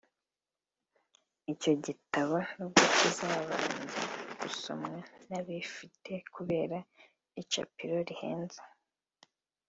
Icyo gitabo nubwo kizabanza gusomwa n’abifite kubera icapiro rihenze